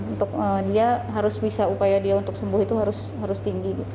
untuk dia harus bisa upaya dia untuk sembuh itu harus tinggi gitu